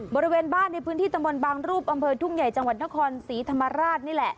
บริเวณบ้านในพื้นที่ตะมนต์บางรูปอำเภอทุ่งใหญ่จังหวัดนครศรีธรรมราชนี่แหละ